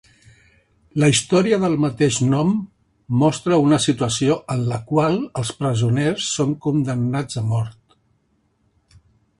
La història del mateix nom mostra una situació en la qual els presoners són condemnats a mort.